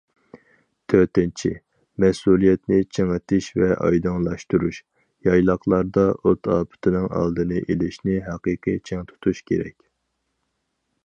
تۆتىنچى، مەسئۇلىيەتنى چىڭىتىش ۋە ئايدىڭلاشتۇرۇش، يايلاقلاردا ئوت ئاپىتىنىڭ ئالدىنى ئېلىشنى ھەقىقىي چىڭ تۇتۇش كېرەك.